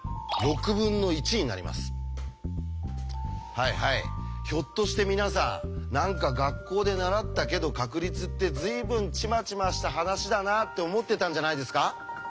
はいはいひょっとして皆さん何か学校で習ったけど確率って随分ちまちました話だなって思ってたんじゃないですか？